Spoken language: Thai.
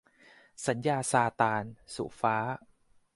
สัญญาซาตาน - สุฟ้า